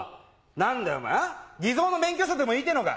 何だよ偽造の免許証とでも言いたいのか。